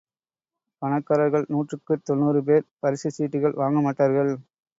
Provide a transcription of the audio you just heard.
பணக்காரர்கள் நூற்றுக்குத் தொண்ணுறு பேர் பரிசுச் சீட்டுகள் வாங்கமாட்டார்கள்.